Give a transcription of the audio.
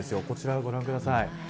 こちら、ご覧ください。